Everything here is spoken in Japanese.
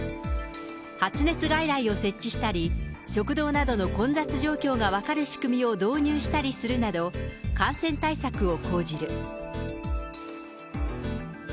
発熱外来を設置したり、食堂などの混雑状況が分かる仕組みを導入したりするなど、感染対策を講じる。